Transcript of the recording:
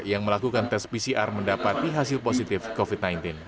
yang melakukan tes pcr mendapati hasil positif covid sembilan belas